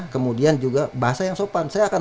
kemudian juga bahasa yang sopan saya akan